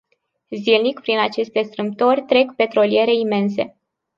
Zilnic prin aceste strâmtori trec petroliere imense.